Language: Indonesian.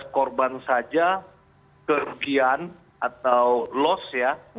empat belas korban saja kerugian atau loss ya